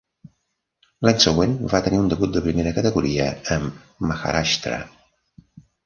L'any següent va tenir un debut de primera categoria amb Maharashtra.